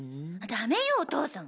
ダメよお父さん！